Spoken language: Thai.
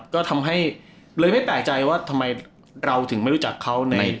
ก็ทำให้เลยไม่แปลกใจว่าทำไมเราถึงไม่รู้จักเขา